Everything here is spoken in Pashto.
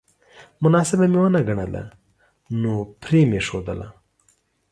مناسبه مې ونه ګڼله نو پرې مې ښودله